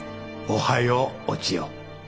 おはようお千代。